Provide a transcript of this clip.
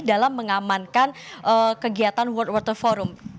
dalam mengamankan kegiatan world water forum